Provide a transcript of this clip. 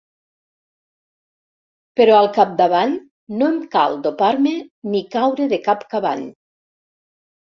Però al capdavall no em cal dopar-me ni caure de cap cavall.